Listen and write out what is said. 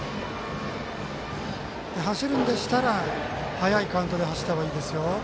走るんでしたら早いカウントで走った方がいいですよ。